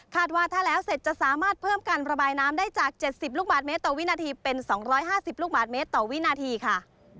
ว่าถ้าแล้วเสร็จจะสามารถเพิ่มการระบายน้ำได้จาก๗๐ลูกบาทเมตรต่อวินาทีเป็น๒๕๐ลูกบาทเมตรต่อวินาทีค่ะ